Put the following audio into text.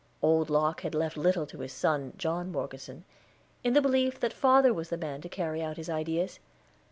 Old Locke had left little to his son John Morgeson, in the belief that father was the man to carry out his ideas.